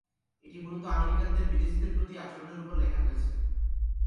এটি মূলত আমেরিকানদের বিদেশিদের প্রতি আচরণের উপর লেখা হয়েছে।